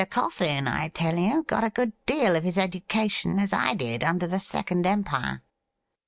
Coffin, I tell you, got a good deal of his education, as I did, under the Second Empire.'